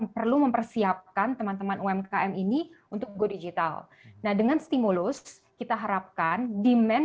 perlu mempersiapkan teman teman umkm ini untuk go digital nah dengan stimulus kita harapkan demand